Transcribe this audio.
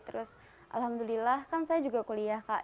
terus alhamdulillah kan saya juga kuliah kak